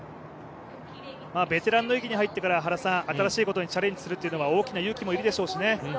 ベテランの域に入ってから、新しいことにチャレンジするっていうのは、大きな勇気もいるでしょうしね。